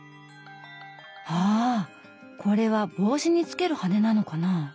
あぁこれは帽子につける羽根なのかなぁ。